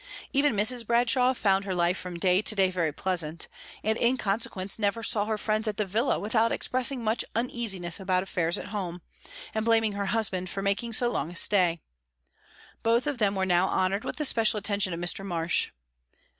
Even Mrs. Bradshaw found her life from day to day very pleasant, and in consequence never saw her friends at the villa without expressing much uneasiness about affairs at home, and blaming her husband for making so long a stay. Both of them were now honoured with the special attention of Mr. Marsh.